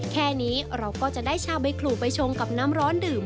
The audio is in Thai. แค่นี้เราก็จะได้ชาใบขลูไปชงกับน้ำร้อนดื่ม